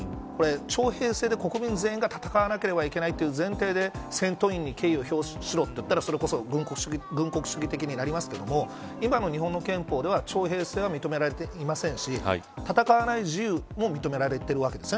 徴兵制で国民全員が戦わなければいけないという前提で戦闘員に敬意を表しよと言ったらそれこそ軍国主義的になりますけれども今の日本の憲法では徴兵制は認められていませんし戦わない自由も認められているわけです。